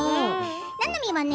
ななみはね